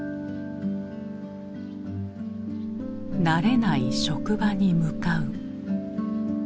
慣れない職場に向かう。